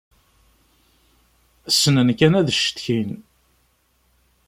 Ssnen kan ad ccetkin.